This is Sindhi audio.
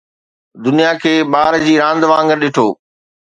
دنيا کي ٻار جي راند وانگر ڏٺو